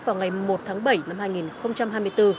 vào ngày một tháng bảy năm hai nghìn hai mươi bốn